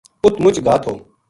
اُت مُچ گھا تھو